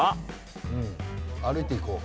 うん歩いていこう。